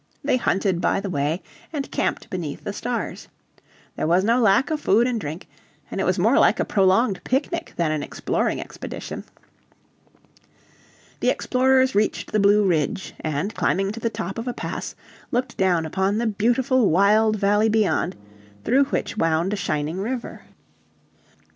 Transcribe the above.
They hunted by the way, and camped beneath the stars. There was no lack of food and drink, and it was more like a prolonged picnic than an exploring expedition. The explorers reached the Blue Ridge, and, climbing to the top of a pass, looked down upon the beautiful wild valley beyond, through which wound a shining river.